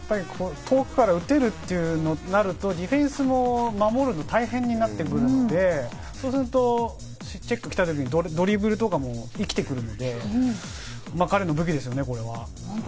遠くから打てるとなるとディフェンスも守るの大変になってくるので、そうするとチェック来た時にドリブルとかも生きてくるので、彼の武器ですよね、これは。